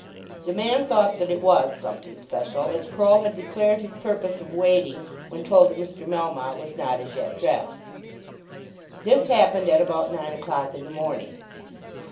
The man thought that it was something special, as Croll had declared his purpose of waiting when told that Mr. Melmotte was not as yet dressed. This happened at about nine o'clock in the morning.